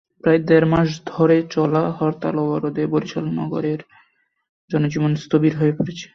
প্রায় দেড় মাস ধরে চলা হরতাল-অবরোধে বরিশাল নগরের জনজীবন স্থবির হয়ে পড়েছে।